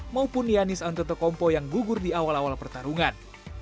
maupun giannis antetokounmpo yang gugur di awal awal pertarungan